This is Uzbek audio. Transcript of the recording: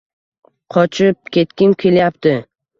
Qochib ketgim kelyapti.